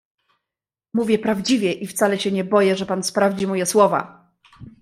"Mówię prawdziwie i wcale się nie boję, że pan sprawdzi moje słowa."